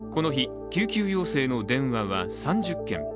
この日、救急要請の電話は３０件。